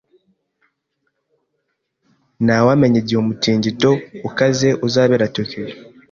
Ntawamenya igihe umutingito ukaze uzabera Tokiyo